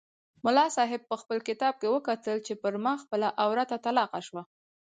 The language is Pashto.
ملا صاحب په کتاب کې وکتل چې پر ما خپله عورته طلاقه شوه.